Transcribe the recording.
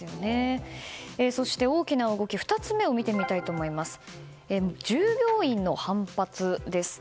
そして大きな動き２つ目を見ていきますと従業員の反発です。